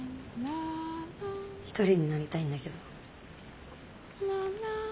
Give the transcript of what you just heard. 一人になりたいんだけど。